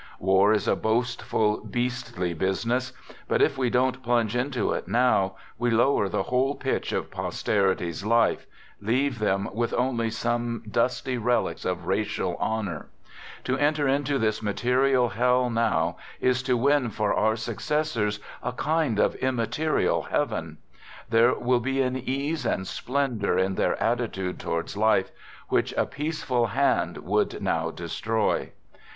War is a boastful, beastly business; but if we don't plunge into it now, we lower the whole pitch of posterity's life, leave them with only some dusty relics of racial honor. To enter into this material hell now is to win for our successors a kind of immaterial heaven. There will be an ease and splendor in their attitude towards life which a peaceful hand would now destroy.